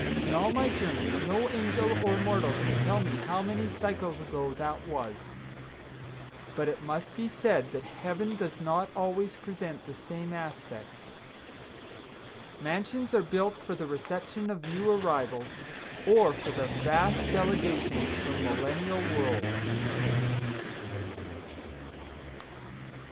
In all my journey, no angel or mortal could tell me how many cycles ago that was. But it must be said that Heaven does not always present the same aspect. Mansions are built for the reception of new arrivals, or for the vast delegations from millennial worlds.